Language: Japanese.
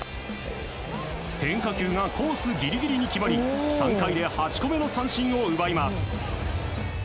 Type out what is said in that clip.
変化球がコースギリギリに決まり３回で８個目の三振を奪います。